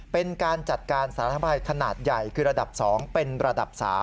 เป็นการจัดการสาธารณภัยขนาดใหญ่คือระดับ๒เป็นระดับ๓